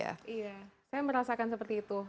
iya saya merasakan seperti itu